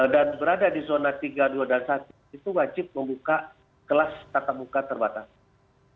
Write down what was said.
dan berada di zona tiga dua dan satu itu wajib membuka kelas tata muka terbatas